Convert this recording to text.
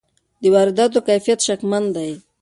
د وارداتو کیفیت شکمن دی.